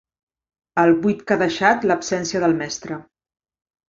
El buit que ha deixat l'absència del mestre.